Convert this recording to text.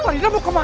faridah mau kemana